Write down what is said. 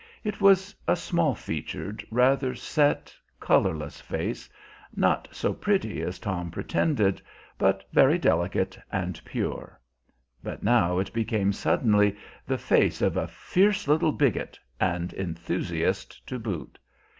It is a small featured, rather set, colorless face, not so pretty as Tom pretended, but very delicate and pure; but now it became suddenly the face of a fierce little bigot, and enthusiast to boot.